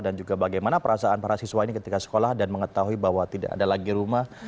dan juga bagaimana perasaan para siswa ini ketika sekolah dan mengetahui bahwa tidak ada lagi rumah